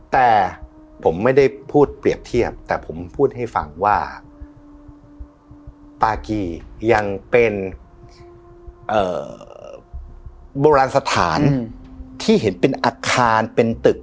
แต่ผมไม่ได้พูดเปรียบเทียบแต่ผมพูดให้ฟังว่าปากียังเป็นโบราณสถานที่เห็นเป็นอาคารเป็นตึก